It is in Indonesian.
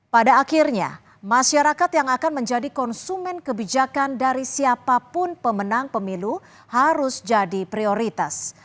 pada akhirnya masyarakat yang akan menjadi konsumen kebijakan dari siapapun pemenang pemilu harus jadi prioritas